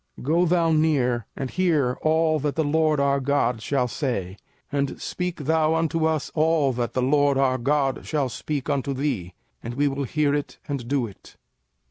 05:005:027 Go thou near, and hear all that the LORD our God shall say: and speak thou unto us all that the LORD our God shall speak unto thee; and we will hear it, and do it.